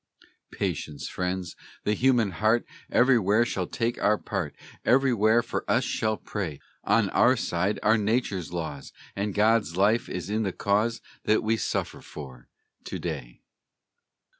Patience, friends! The human heart Everywhere shall take our part, Everywhere for us shall pray; On our side are nature's laws, And God's life is in the cause That we suffer for to day.